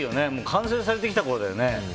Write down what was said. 完成されてきたころだよね。